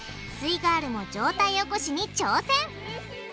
イガールも上体起こしに挑戦！